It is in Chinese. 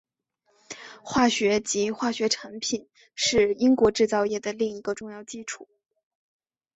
化学及化学产品是英国制造业的另一个重要基础。